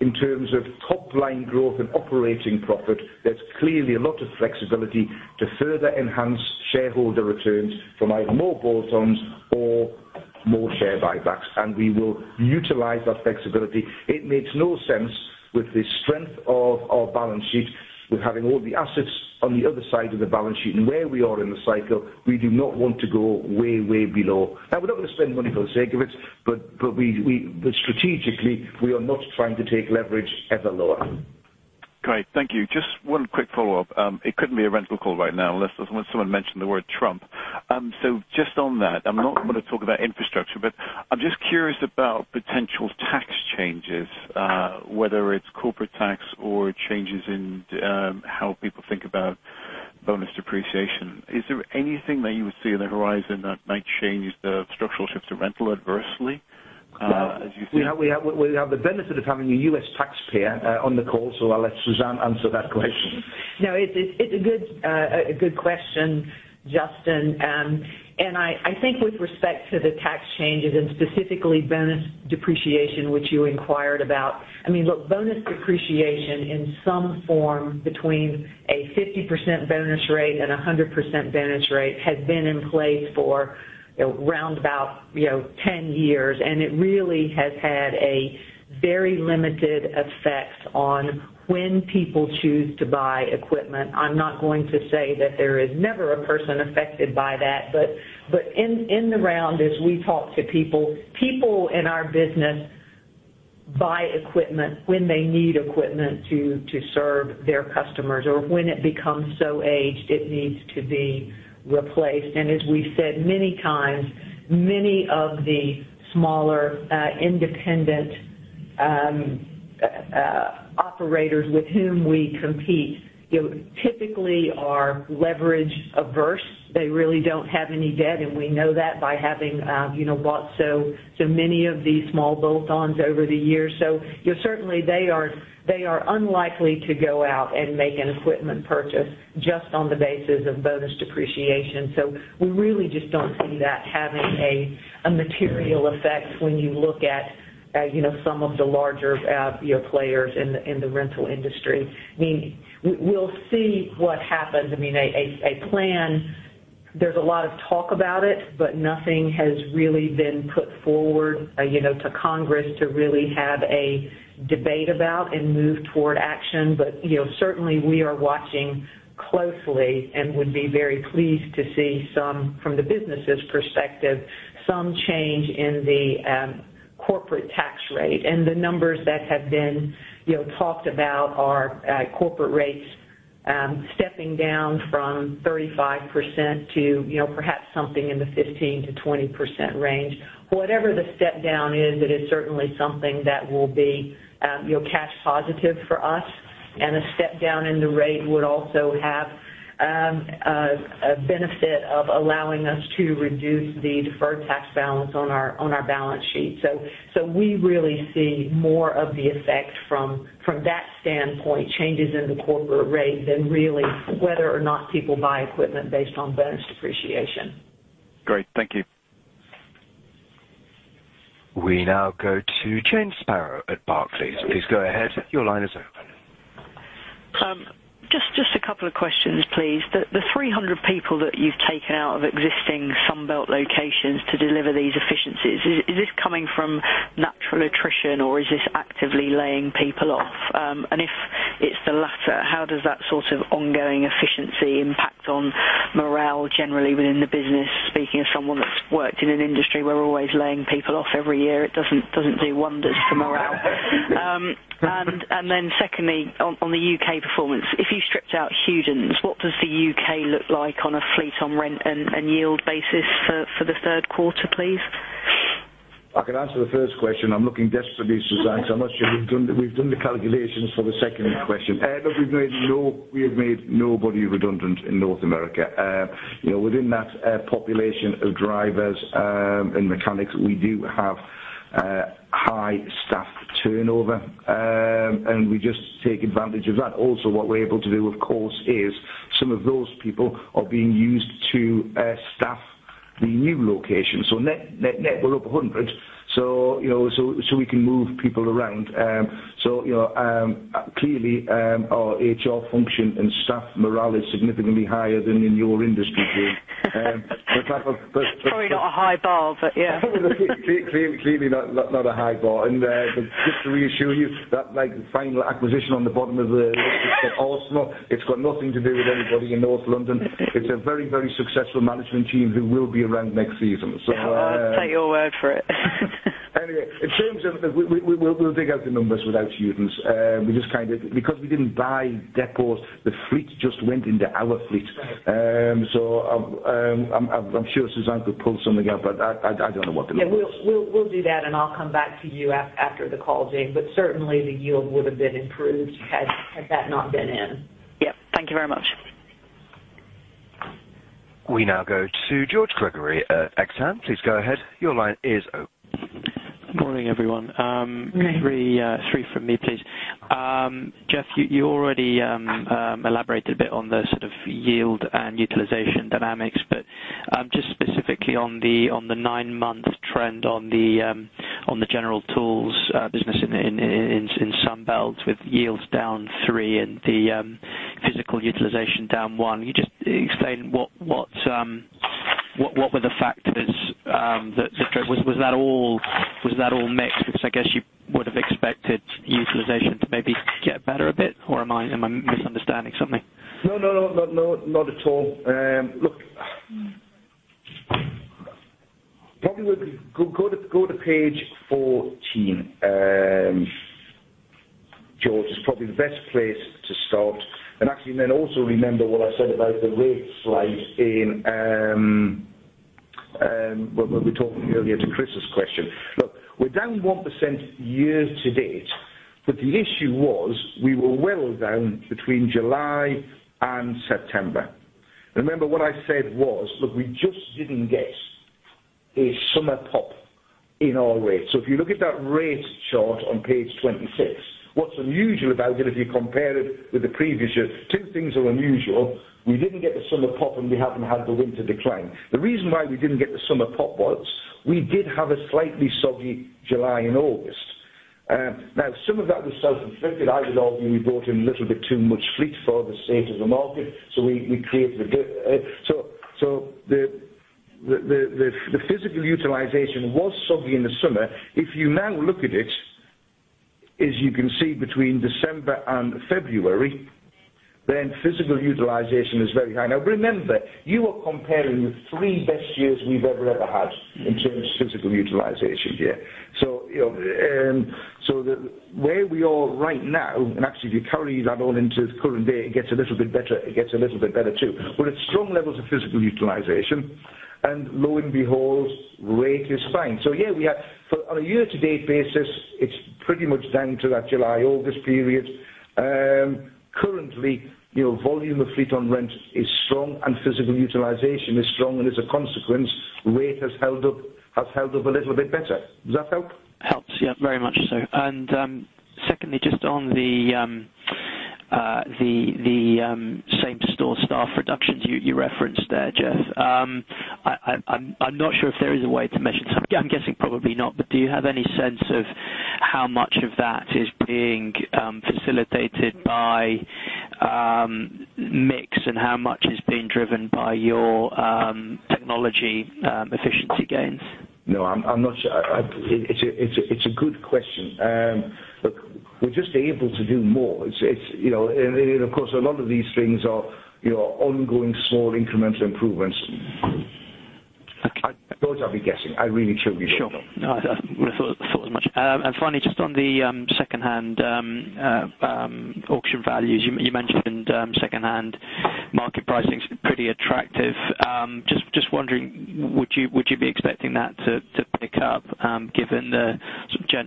in terms of top-line growth and operating profit, there's clearly a lot of flexibility to further enhance shareholder returns from either more bolt-ons or more share buybacks, and we will utilize that flexibility. It makes no sense with the strength of our balance sheet, with having all the assets on the other side of the balance sheet and where we are in the cycle, we do not want to go way below. Now, we're not going to spend money for the sake of it, strategically, we are not trying to take leverage ever lower. Great. Thank you. Just one quick follow-up. It couldn't be a rental call right now unless someone mentioned the word Trump. Just on that, I'm not going to talk about infrastructure, but I'm just curious about potential tax changes, whether it's corporate tax or changes in how people think about bonus depreciation. Is there anything that you would see on the horizon that might change the structural shifts to rental adversely as you think? We have the benefit of having a U.S. taxpayer on the call, I'll let Suzanne answer that question. No, it's a good question, Justin. I think with respect to the tax changes and specifically bonus depreciation, which you inquired about. Look, bonus depreciation in some form between a 50% bonus rate and 100% bonus rate has been in place for around about 10 years, it really has had a very limited effect on when people choose to buy equipment. I'm not going to say that there is never a person affected by that, but in the round, as we talk to people in our business buy equipment when they need equipment to serve their customers or when it becomes so aged it needs to be replaced. As we've said many times, many of the smaller independent operators with whom we compete typically are leverage-averse. They really don't have any debt, and we know that by having bought so many of these small bolt-ons over the years. Certainly, they are unlikely to go out and make an equipment purchase just on the basis of bonus depreciation. We really just don't see that having a material effect when you look at some of the larger players in the rental industry. We'll see what happens. A plan, there's a lot of talk about it, but nothing has really been put forward to Congress to really have a debate about and move toward action. Certainly, we are watching closely and would be very pleased to see some, from the business's perspective, some change in the Corporate tax rate and the numbers that have been talked about are corporate rates stepping down from 35% to perhaps something in the 15%-20% range. Whatever the step down is, it is certainly something that will be cash positive for us, and a step down in the rate would also have a benefit of allowing us to reduce the deferred tax balance on our balance sheet. We really see more of the effect from that standpoint, changes in the corporate rate than really whether or not people buy equipment based on bonus depreciation. Great. Thank you. We now go to Jane Sparrow at Barclays. Please go ahead. Your line is open. Just a couple of questions, please. The 300 people that you've taken out of existing Sunbelt locations to deliver these efficiencies, is this coming from natural attrition or is this actively laying people off? If it's the latter, how does that sort of ongoing efficiency impact on morale generally within the business? Speaking of someone that's worked in an industry where we're always laying people off every year, it doesn't do wonders for morale. Then secondly, on the U.K. performance, if you stripped out Hudsons, what does the U.K. look like on a fleet on rent and yield basis for the third quarter, please? I can answer the first question. I'm looking desperately, Suzanne. I'm not sure we've done the calculations for the second question. We have made nobody redundant in North America. Within that population of drivers and mechanics, we do have high staff turnover, and we just take advantage of that. What we're able to do, of course, is some of those people are being used to staff the new location. Net we're up 100. We can move people around. Clearly, our HR function and staff morale is significantly higher than in your industry, Jane. Probably not a high bar, yeah. Clearly not a high bar. Just to reassure you, that final acquisition on the bottom of the list, it's got Arsenal, it's got nothing to do with anybody in North London. It's a very successful management team who will be around next season. I'll take your word for it. In terms of We will dig out the numbers without Hudons. We didn't buy depots, the fleet just went into our fleet. I'm sure Suzanne could pull something up, but I do not know what the numbers. Yeah, we will do that, and I will come back to you after the call, Jane. Certainly the yield would've been improved had that not been in. Yep. Thank you very much. We now go to George Gregory at Exane. Please go ahead. Your line is open. Morning, everyone. Morning. Three from me, please. Geoff, you already elaborated a bit on the yield and utilization dynamics, but just specifically on the nine-month trend on the general tools business in Sunbelt with yields down 3% and the physical utilization down 1%. Can you just explain what were the factors that drove? Was that all mixed? Because I guess you would've expected utilization to maybe get better a bit, or am I misunderstanding something? No, not at all. Look, probably go to page 14 George, is probably the best place to start. Actually also remember what I said about the rate slide when we were talking earlier to Chris's question. Look, we're down 1% year to date, the issue was we were well down between July and September. Remember what I said was, look, we just didn't get a summer pop in our rate. If you look at that rate chart on page 26, what's unusual about it if you compare it with the previous year, two things are unusual. We didn't get the summer pop, and we haven't had the winter decline. The reason why we didn't get the summer pop was we did have a slightly soggy July and August. Some of that was self-inflicted. I will argue we brought in a little bit too much fleet for the state of the market, we created a dip. The physical utilization was soggy in the summer. If you now look at it, as you can see between December and February, physical utilization is very high. Remember, you are comparing the three best years we've ever had in terms of physical utilization here. Where we are right now, and actually if you carry that on into the current day, it gets a little bit better too. We're at strong levels of physical utilization and lo and behold, rate is fine. Yeah, on a year to date basis, it's pretty much down to that July, August period. Currently, volume of fleet on rent is strong and physical utilization is strong and as a consequence, rate has held up a little bit better. Does that help? Helps, yeah. Very much so. Secondly, just on the same-store staff reductions you referenced there, Geoff. I'm not sure if there is a way to measure. I'm guessing probably not, but do you have any sense of how much of that is being facilitated by mix and how much is being driven by your technology efficiency gains? No, I'm not sure. It's a good question. Look, we're just able to do more. Of course, a lot of these things are ongoing small incremental improvements. Those I'll be guessing. I really should be able to. Sure. No, I would've thought as much. Finally, just on the second-hand auction values. You mentioned second-hand market pricing's pretty attractive. Just wondering, would you be expecting that to pick up given the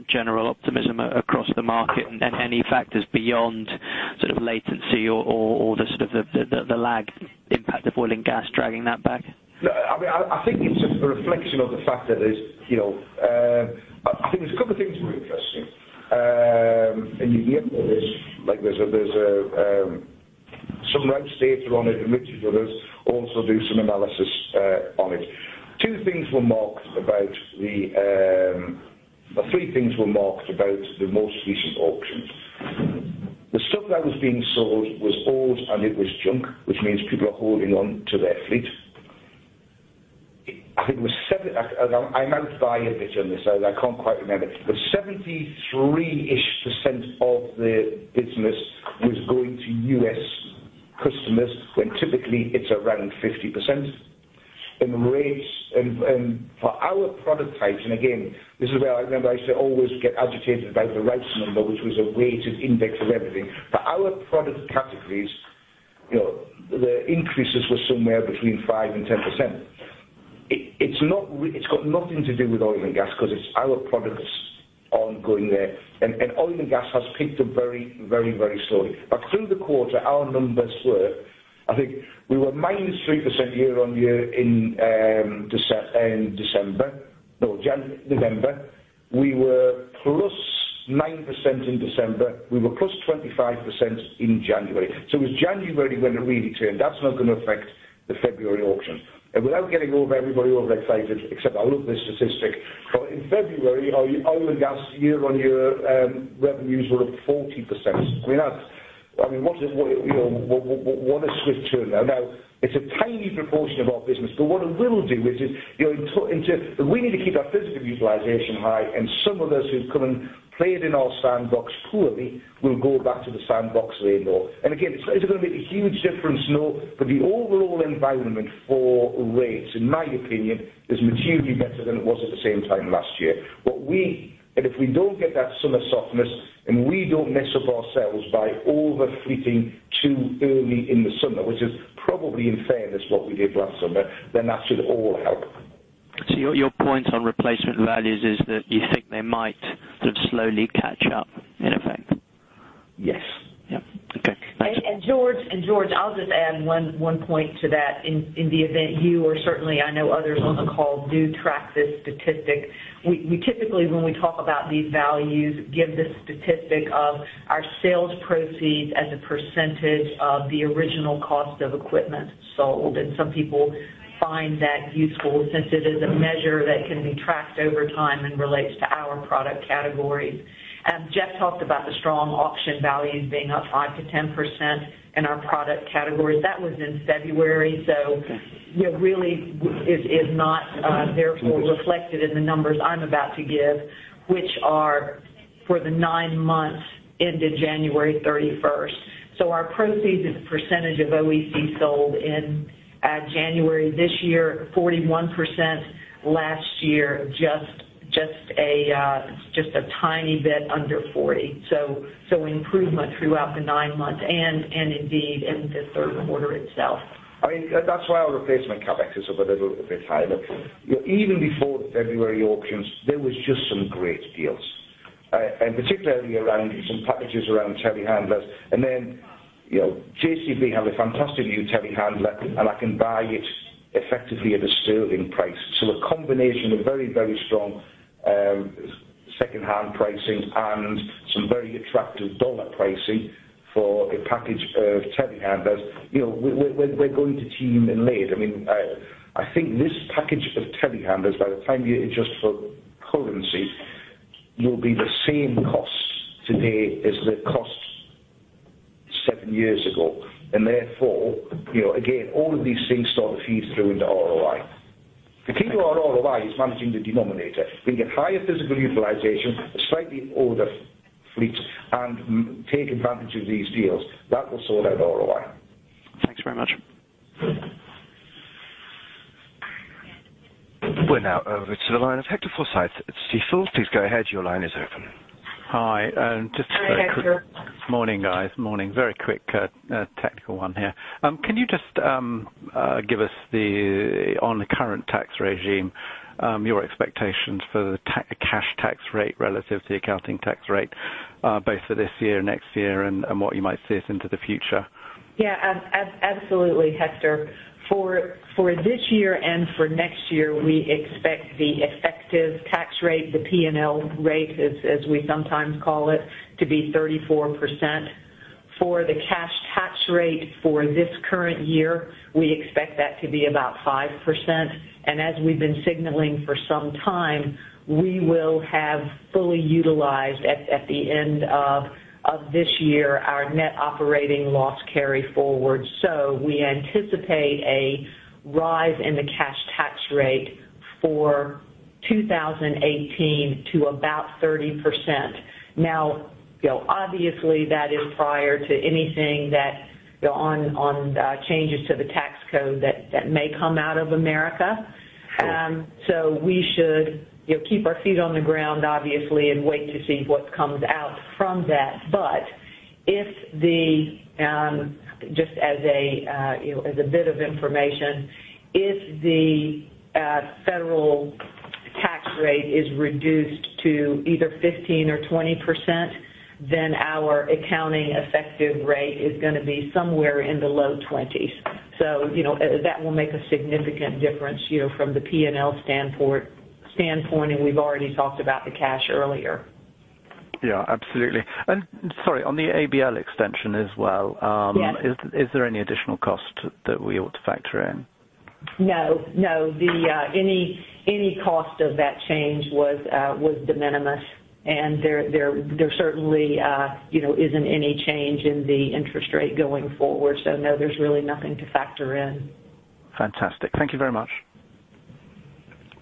general optimism across the market and any factors beyond latency or the lag impact of oil and gas dragging that back? No. I think it's just a reflection of the fact that there's a couple of things that were interesting. You hear this, there's some Rouse Services are on it, and Richard and others also do some analysis on it. Three things were marked about the most recent auctions. The stuff that was being sold was old, and it was junk, which means people are holding on to their fleet. I might buy a bit on this, I can't quite remember. 73-ish% of the business was going to U.S. customers when typically it's around 50%. Rates, for our product types, and again, this is where I remember I used to always get agitated about the rates number, which was a weighted index of everything. For our product categories, the increases were somewhere between 5% and 10%. It's got nothing to do with oil and gas because it's our products ongoing there. Oil and gas has picked up very slowly. Through the quarter, our numbers were, I think we were -3% year-over-year in December. No, November. We were +9% in December. We were +25% in January. It was January when it really turned. That's not going to affect the February auction. Without getting everybody overexcited, except I love this statistic, in February, our oil and gas year-over-year revenues were up 40%. What a swift turn. Now, it's a tiny proportion of our business. What it will do is we need to keep our physical utilization high, and some of those who've come and played in our sandbox poorly will go back to the sandbox they know. Again, is it going to make a huge difference? No. The overall environment for rates, in my opinion, is materially better than it was at the same time last year. If we don't get that summer softness and we don't mess up ourselves by over-fleeting too early in the summer, which is probably in fairness what we did last summer, that should all help. Your point on replacement values is that you think they might slowly catch up in effect? Yes. Yep. Okay. Thank you. George, I'll just add one point to that, in the event you or certainly I know others on the call do track this statistic. We typically, when we talk about these values, give the statistic of our sales proceeds as a percentage of the original cost of equipment sold, and some people find that useful since it is a measure that can be tracked over time and relates to our product categories. Geoff talked about the strong auction values being up 5%-10% in our product categories. That was in February. Okay It really is not therefore reflected in the numbers I'm about to give, which are for the nine months ended January 31st. Our proceeds as a percentage of OEC sold in January this year, 41%, last year, just a tiny bit under 40. Improvement throughout the nine months and indeed in the third quarter itself. That's why our replacement CapEx is a little bit higher. Even before the February auctions, there was just some great deals. Particularly around some packages around telehandlers. JCB have a fantastic new telehandler, and I can buy it effectively at a GBP price. A combination of very strong second-hand pricing and some very attractive USD pricing for a package of telehandlers. We're going to team in late. I think this package of telehandlers, by the time you adjust for currency, will be the same costs today as the costs seven years ago. Therefore, again, all of these things start to feed through into ROI. The key to our ROI is managing the denominator. We can get higher physical utilization, slightly older fleets, and take advantage of these deals. That will sort out our ROI. Thanks very much. We're now over to the line of Hector Forsythe at Stifel. Please go ahead. Your line is open. Hi. Hi, Hector. Morning, guys. Morning. Very quick technical one here. Can you just give us the, on the current tax regime, your expectations for the cash tax rate relative to the accounting tax rate both for this year, next year, and what you might see us into the future? Yeah. Absolutely, Hector. For this year and for next year, we expect the effective tax rate, the P&L rate, as we sometimes call it, to be 34%. For the cash tax rate for this current year, we expect that to be about 5%. As we've been signaling for some time, we will have fully utilized, at the end of this year, our net operating loss carryforward. We anticipate a rise in the cash tax rate for 2018 to about 30%. Now, obviously, that is prior to anything that on changes to the tax code that may come out of America. Sure. We should keep our feet on the ground, obviously, and wait to see what comes out from that. Just as a bit of information, if the federal tax rate is reduced to either 15 or 20%, then our accounting effective rate is going to be somewhere in the low 20s. That will make a significant difference from the P&L standpoint, and we've already talked about the cash earlier. Yeah, absolutely. Sorry, on the ABL extension as well- Yes Is there any additional cost that we ought to factor in? No. Any cost of that change was de minimis, and there certainly isn't any change in the interest rate going forward. No, there's really nothing to factor in. Fantastic. Thank you very much.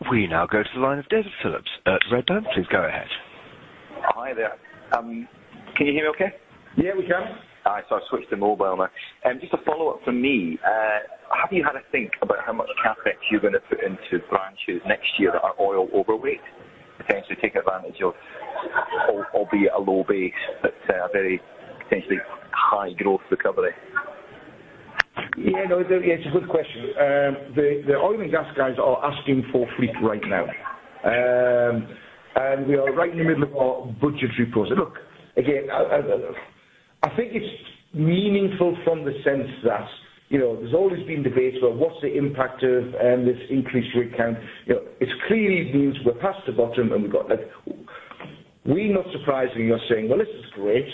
We now go to the line of David Phillips at Redburn. Please go ahead. Hi there. Can you hear me okay? Yeah, we can. All right, I've switched to mobile now. Just a follow-up from me. Have you had a think about how much CapEx you're going to put into branches next year that are oil overweight, potentially taking advantage of, albeit a low base, but a very potentially high growth recovery? Yeah, it's a good question. The oil and gas guys are asking for fleet right now. We are right in the middle of our budgetary process. Look, again, I think it's meaningful from the sense that there's always been debates about what's the impact of this increased rig count. It clearly means we're past the bottom, and we got that. We, not surprisingly, are saying, "Well, this is great."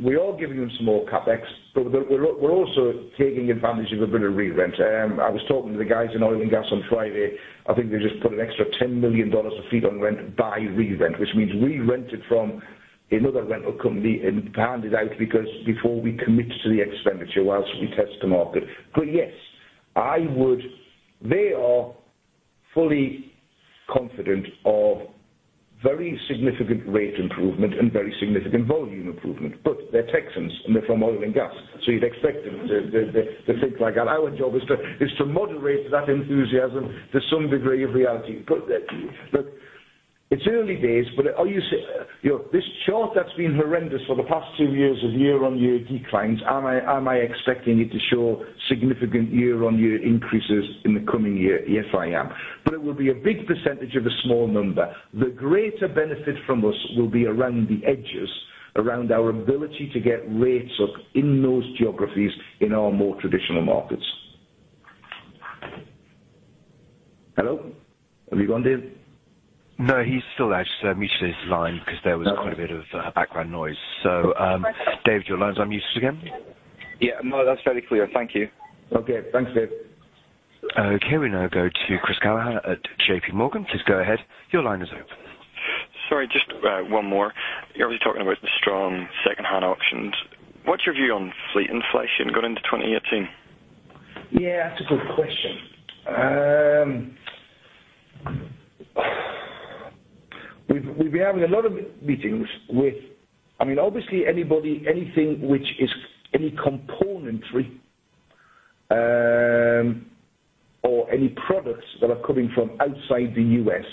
We are giving them some more CapEx, but we're also taking advantage of a bit of re-rent. I was talking to the guys in oil and gas on Friday. I think they just put an extra GBP 10 million of fleet on rent by re-rent, which means we rented from another rental company and handed out because before we commit to the expenditure, while we test the market. Yes, they are fully confident of very significant rate improvement and very significant volume improvement. They're Texans, and they're from oil and gas, you'd expect them to think like that. Our job is to moderate that enthusiasm to some degree of reality. Put that to you. Look, it's early days, but this chart that's been horrendous for the past two years of year-on-year declines, am I expecting it to show significant year-on-year increases in the coming year? Yes, I am. It will be a big percentage of a small number. The greater benefit from us will be around the edges, around our ability to get rates up in those geographies in our more traditional markets. Hello? Have you gone, Dave? No, he's still there. I just muted his line because there was quite a bit of background noise. Dave, your line's unmuted again. Yeah. No, that's fairly clear. Thank you. Okay. Thanks, Dave. Okay, we now go to Chris Callahan at JPMorgan. Please go ahead. Your line is open. Sorry, just one more. You're obviously talking about the strong secondhand auctions. What's your view on fleet inflation going into 2018? Yeah, that's a good question. We've been having a lot of meetings. Obviously, anybody, anything which is any componentry or any products that are coming from outside the U.S.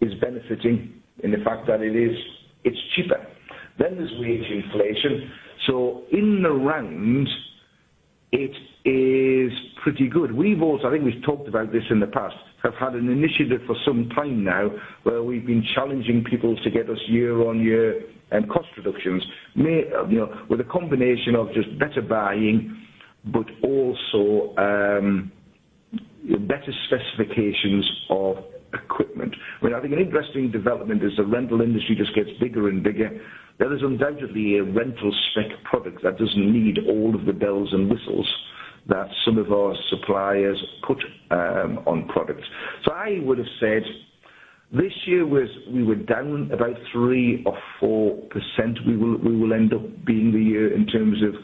is benefiting in the fact that it is cheaper. There's wage inflation. In the round, it is pretty good. I think we've talked about this in the past. Have had an initiative for some time now where we've been challenging people to get us year-over-year cost reductions. With a combination of just better buying, but also better specifications of equipment. I think an interesting development as the rental industry just gets bigger and bigger. There is undoubtedly a rental spec product that doesn't need all of the bells and whistles that some of our suppliers put on products. I would've said this year we were down about 3% or 4%. We will end up being the year in terms of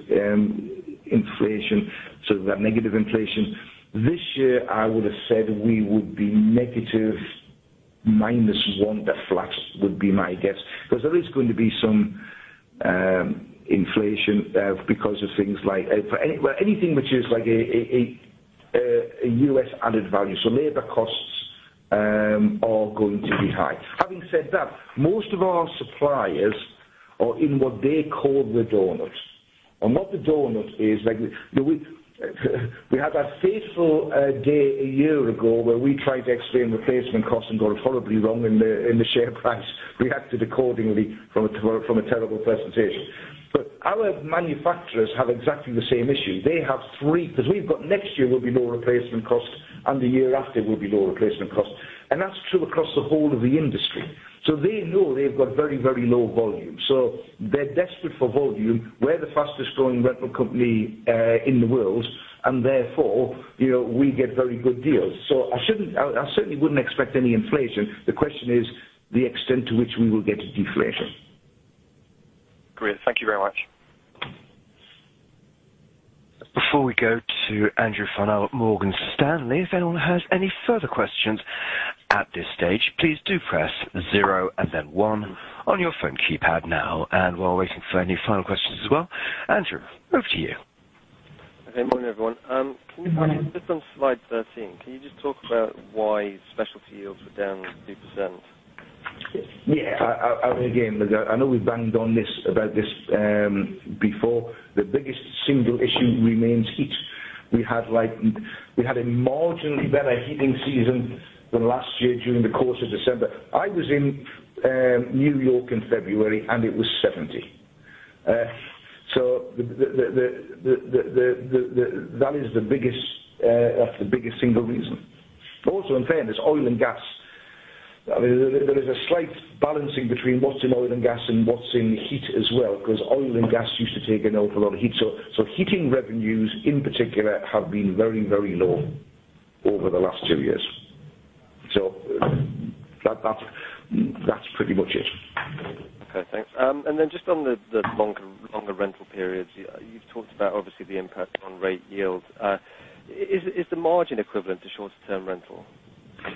inflation, so that negative inflation. This year, I would've said we would be negative -1 from the flux would be my guess. There is going to be some inflation because of things like anything which is like a U.S. added value. Labor costs are going to be high. Having said that, most of our suppliers are in what they call the doughnut. What the doughnut is like, we had that fateful day a year ago where we tried to explain replacement costs and got it horribly wrong, and the share price reacted accordingly from a terrible presentation. Our manufacturers have exactly the same issue. They have 3, because we've got next year will be lower replacement costs, and the year after will be lower replacement costs. That's true across the whole of the industry. They know they've got very, very low volume. They're desperate for volume. We're the fastest growing rental company in the world, therefore, we get very good deals. I certainly wouldn't expect any inflation. The question is the extent to which we will get deflation. Great. Thank you very much. Before we go to Andrew Farnell at Morgan Stanley, if anyone has any further questions at this stage, please do press zero and then one on your phone keypad now. While we're waiting for any final questions as well, Andrew, over to you. Okay. Morning, everyone. Morning. Just on slide 13, can you just talk about why specialty yields were down 2%? Yeah. Again, I know we banged on about this before, the biggest single issue remains heat. We had a marginally better heating season than last year during the course of December. I was in New York in February, and it was 70. That's the biggest single reason. Also, in fairness, oil and gas. There is a slight balancing between what's in oil and gas and what's in heat as well, because oil and gas used to take an awful lot of heat. Heating revenues in particular have been very low over the last two years. That's pretty much it. Okay, thanks. Just on the longer rental periods, you've talked about obviously the impact on rate yield. Is the margin equivalent to shorter-term rental?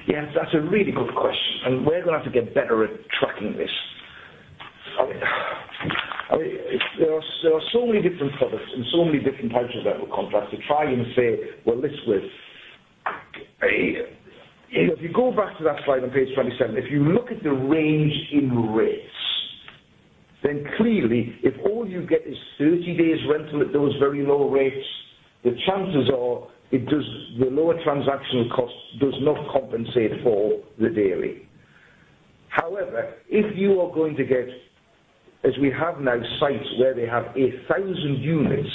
Yes, that's a really good question, we're going to have to get better at tracking this. There are so many different products and so many different types of rental contracts to try to say, "Well, this was" If you go back to that slide on page 27, if you look at the range in rates, clearly if all you get is 30 days rental at those very low rates, the chances are the lower transaction cost does not compensate for the daily. However, if you are going to get, as we have now sites where they have 1,000 units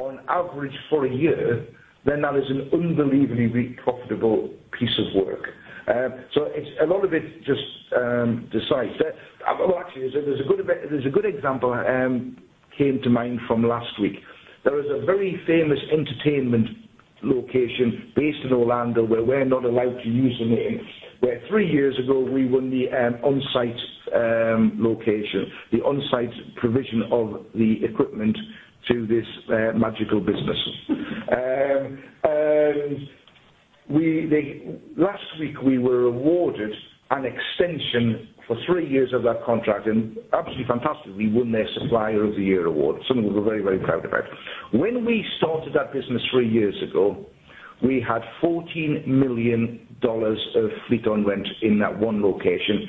on average for a year, that is an unbelievably profitable piece of work. A lot of it just decides that. Well, actually, there's a good example that came to mind from last week. There is a very famous entertainment location based in Orlando, where we're not allowed to use the name, where three years ago we won the on-site location, the on-site provision of the equipment to this magical business. Last week we were awarded an extension for three years of that contract absolutely fantastic, we won their supplier of the year award. Something we were very proud about. When we started that business three years ago, we had $14 million of fleet on rent in that one location.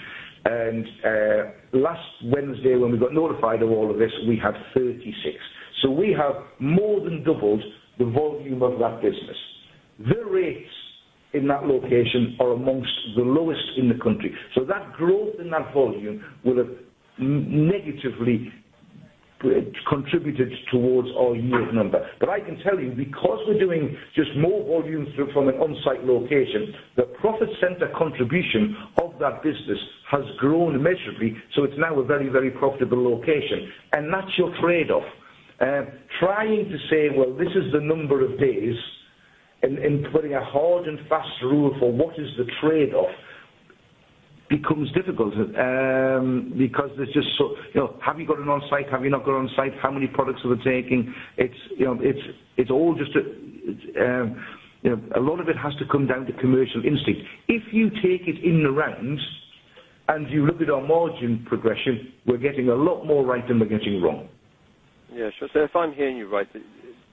Last Wednesday, when we got notified of all of this, we had 36. We have more than doubled the volume of that business. The rates in that location are amongst the lowest in the country. That growth in that volume will have negatively contributed towards our year number. I can tell you, because we're doing just more volumes from an on-site location, the profit center contribution of that business has grown immeasurably, it's now a very profitable location. That's your trade-off. Trying to say, well, this is the number of days, putting a hard and fast rule for what is the trade-off becomes difficult, because there's just so Have you got an on-site? Have you not got on-site? How many products are we taking? A lot of it has to come down to commercial instinct. If you take it in the round and you look at our margin progression, we're getting a lot more right than we're getting wrong. Yeah, sure. If I'm hearing you right,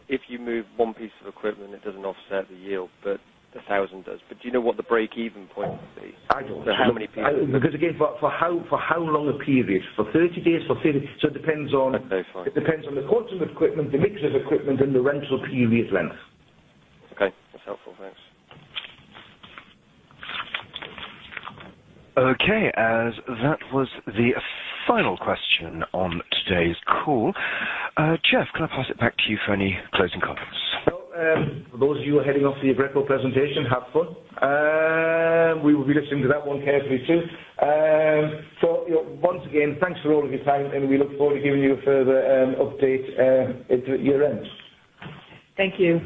if you move one piece of equipment, it doesn't offset the yield, but 1,000 does. Do you know what the break-even point would be? I don't. How many people- Again, for how long a period? For 30 days? For 15? It depends on- Okay, fine it depends on the quantity of equipment, the mix of equipment, and the rental period length. Okay. That's helpful. Thanks. Okay. As that was the final question on today's call. Geoff, can I pass it back to you for any closing comments? Well, for those of you who are heading off to the Abraxas presentation, have fun. We will be listening to that one carefully, too. Once again, thanks for all of your time, and we look forward to giving you a further update at year-end. Thank you.